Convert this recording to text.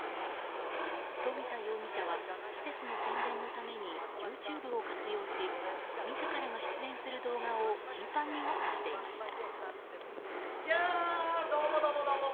富田容疑者は施設の宣伝のためにＹｏｕＴｕｂｅを活用し自らが出演する動画を頻繁にアップしていました。